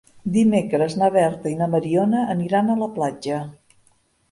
Dimecres na Berta i na Mariona aniran a la platja.